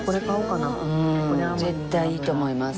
絶対いいと思います。